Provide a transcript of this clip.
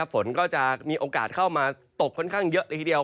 ฝนก็จะมีโอกาสเข้ามาตกค่อนข้างเยอะเลยทีเดียว